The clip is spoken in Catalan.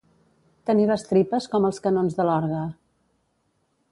Tenir les tripes com els canons de l'orgue.